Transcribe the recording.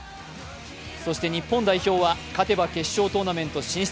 そして日本代表は勝てば決勝トーナメント進出。